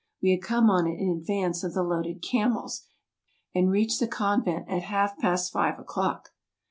We had come on in advance of the loaded camels, and reached the convent at half past five o'clock.